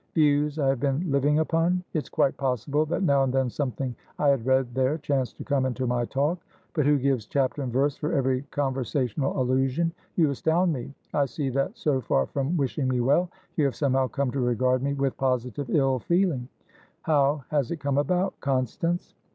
"Views I have been 'living upon?' It's quite possible that now and then something I had read there chanced to come into my talk; but who gives chapter and verse for every conversational allusion? You astound me. I see that, so far from wishing me well, you have somehow come to regard me with positive ill feeling. How has it come about, Constance?"